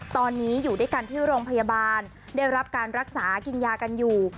ตอนนี้อยู่ด้วยกันที่โรงพยาบาลได้รับการรักษากินยากันอยู่